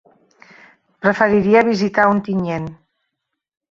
Preferiria visitar Ontinyent.